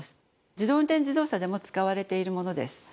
自動運転自動車でも使われているものです。